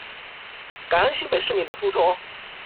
感恩新北市民的付託